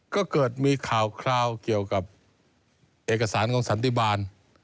ก็เกิดมีข่าวคราวเกี่ยวกับเอกสารของสันติบาล